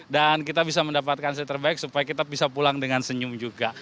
dan kita bisa mendapatkan yang terbaik supaya kita bisa pulang dengan senyum juga